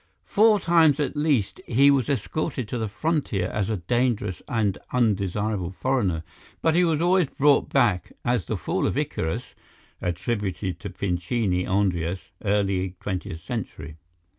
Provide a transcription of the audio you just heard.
Four times at least he was escorted to the frontier as a dangerous and undesirable foreigner, but he was always brought back as the Fall of Icarus (attributed to Pincini, Andreas, early Twentieth Century).